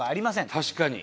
確かに。